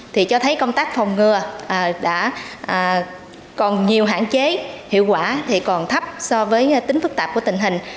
thì cho thấy công tác phòng ngừa đã còn nhiều hạn chế hiệu quả thì còn thấp so với tính phức tạp của tình hình